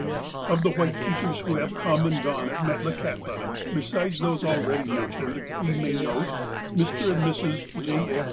Of the white teachers who have come and gone at Met lakahtla, besides those already mentioned, we may note : Mr. and Mrs. J. F.